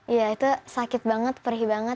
ya itu sakit banget perih banget